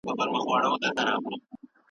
آیا تاسو د ټولنیز مسؤلیت احساس کوئ؟